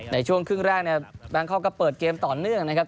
ในช่วงครึ่งแรกเนี่ยแบงคอกก็เปิดเกมต่อเนื่องนะครับ